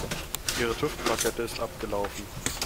Ihre TÜV-Plakette ist abgelaufen.